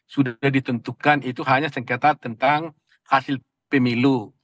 sudah ditentukan itu hanya sengketa tentang hasil pemilu